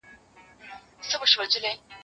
کښتۍ وان یم له څپو سره چلېږم